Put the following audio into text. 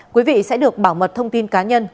quý vị sẽ được bảo mật thông tin cá nhân